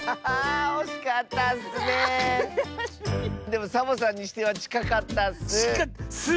でもサボさんにしてはちかかったッス！